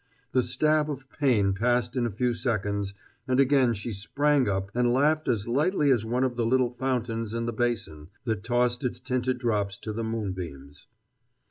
The stab of pain passed in a few seconds, and again she sprang up and laughed as lightly as one of the little fountains in the basin that tossed its tinted drops to the moonbeams.